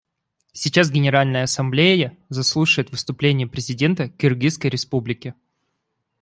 Сейчас Генеральная Ассамблея заслушает выступление президента Кыргызской Республики.